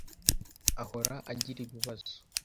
ahora agira ibibazo.